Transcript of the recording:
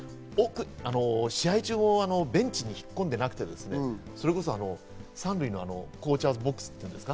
試合中もベンチに引っ込んでなくて、それこそ３塁のコーチャーズボックスっていうんですか？